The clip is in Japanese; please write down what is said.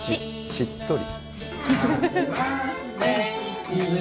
しっとり。